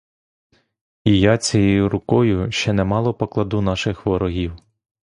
І я цією рукою ще немало покладу наших ворогів!